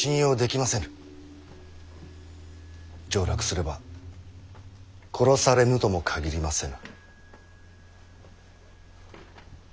上洛すれば殺されぬとも限りませぬ。